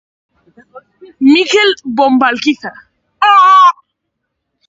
Gaztea atxilotuta eraman zuten.